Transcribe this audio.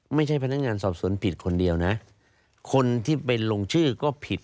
ไม่ใช่พนักงานสอบสวนผิดคนเดียวนะคนที่ไปลงชื่อก็ผิด